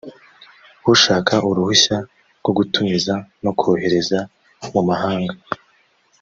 ushaka uruhushya rwo gutumiza no kohereza mumahanga